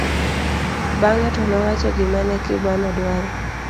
bang'e to nowacho gima ne Kibwana dwaro